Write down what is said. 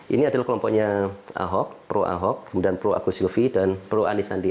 ini adalah kelompoknya ahok pro ahok kemudian pro agu sylvi dan pro anisandi